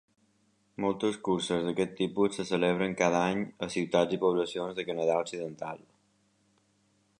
Moltes curses d'aquest tipus se celebren cada any a ciutats i poblacions de Canadà occidental.